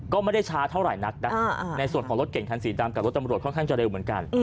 ก็ไม่ได้ช้าเท่าไหร่นักนะในส่วนของรถเก่งคันสีดำกับรถตำรวจค่อนข้างจะเร็วเหมือนกัน